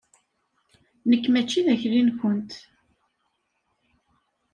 Nekk mačči d akli-nkent.